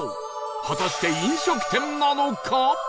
果たして飲食店なのか？